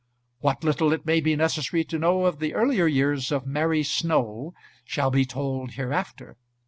What little it may be necessary to know of the earlier years of Mary Snow shall be told hereafter.